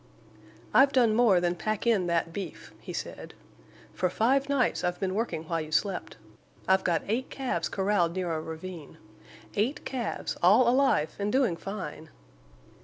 "I've done more than pack in that beef," he said. "For five nights I've been working while you slept. I've got eight calves corralled near a ravine. Eight calves, all alive and doing fine!"